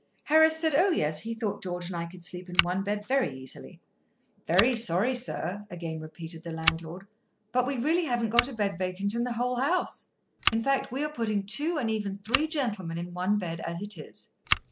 Harris said, "Oh, yes;" he thought George and I could sleep in one bed very easily. "Very sorry, sir," again repeated the landlord: "but we really haven't got a bed vacant in the whole house. In fact, we are putting two, and even three gentlemen in one bed, as it is."